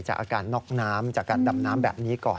อาการน็อกน้ำจากการดำน้ำแบบนี้ก่อน